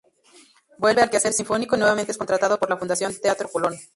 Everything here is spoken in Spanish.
Vuelve al quehacer sinfónico y nuevamente es contratado por la Fundación Teatro Colón.